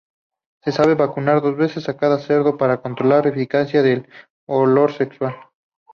Se debe vacunar dos veces a cada cerdo para controlar eficazmente el olor sexual.